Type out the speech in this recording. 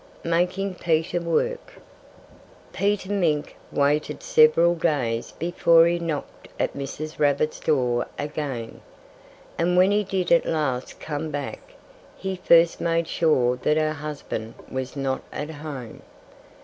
MAKING PETER WORK Peter Mink waited several days before he knocked at Mrs. Rabbit's door again. And when he did at last come back, he first made sure that her husband was not at home.